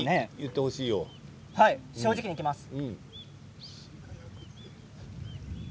正直にいきます。